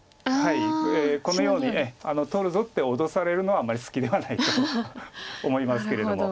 このように取るぞって脅されるのはあんまり好きではないと思いますけれども。